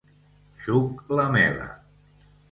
Xuc Lamela